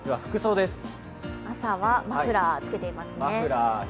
朝はマフラーつけていますね。